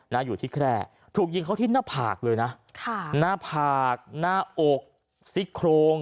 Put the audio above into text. อยู่ที่แคร่ถูกยิงเขาที่หน้าผากเลยนะค่ะหน้าผากหน้าอกซิกโครง